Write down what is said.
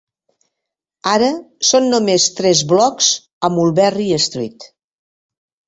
Ara són només tres blocs a Mulberry Street.